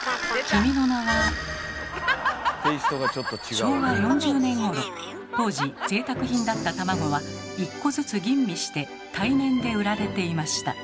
昭和４０年ごろ当時ぜいたく品だった卵は１個ずつ吟味して対面で売られていました。